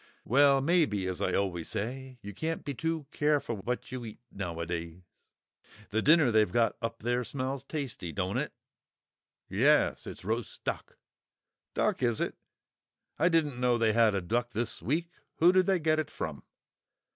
"Well, maybe; as I always say, you can't be too careful what you eat nowadays. The dinner they've got up there smells tasty, don't it?" "Yes; it's roast duck." "Duck, is it? I didn't know they'd had a duck this week. Who did they get it from?"